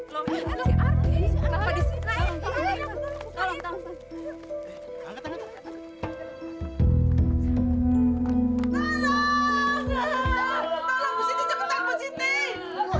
loh apa sih